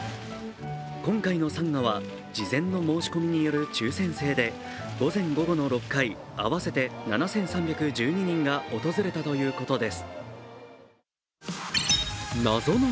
今回の参賀は事前の申し込みによる抽選制で午前午後の６回、合わせて７３１２人が訪れたということです。